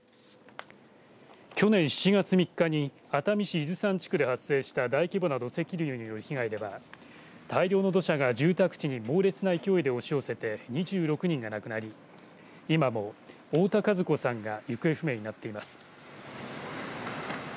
去年７月３日に熱海市伊豆山地区で発生した大規模な土石流による被害では大量の土砂が住宅地に猛烈な勢いで押し寄せて２６人が亡くなり今も太田和子さんが行方不明になっています。